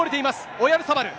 オヤルサバル。